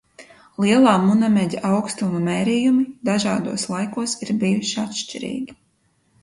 Lielā Munameģa augstuma mērījumi dažādos laikos ir bijuši atšķirīgi.